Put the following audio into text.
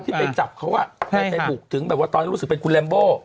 ที่ไปจับเขาอ่ะใช่ค่ะไปบุกถึงแบบว่าตอนนี้รู้สึกเป็นคุณค่ะ